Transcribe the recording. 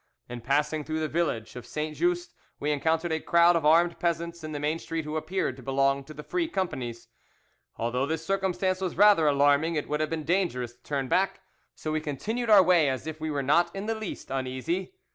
In passing through the village of Saint Just we encountered a crowd of armed peasants in the main street who appeared to belong to the free companies. Although this circumstance was rather alarming, it would have been dangerous to turn back, so we continued our way as if we were not in the least uneasy.